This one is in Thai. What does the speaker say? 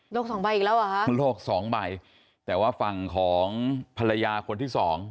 สองใบอีกแล้วเหรอฮะโลกสองใบแต่ว่าฝั่งของภรรยาคนที่สอง